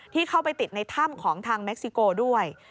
ที่เข้าไปติดในถ้ำของทางเม็กซิโกด้วย